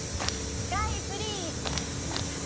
スカイツリー。